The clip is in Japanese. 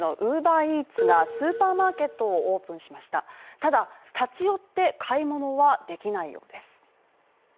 ただ、立ち寄って買い物はできないようです。